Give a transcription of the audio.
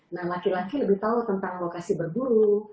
nah laki laki lebih tahu tentang lokasi berburu